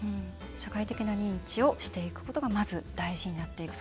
社会的な認知をしていくことがまず大事になってくる。